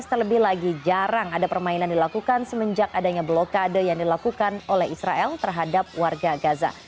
terlebih lagi jarang ada permainan dilakukan semenjak adanya blokade yang dilakukan oleh israel terhadap warga gaza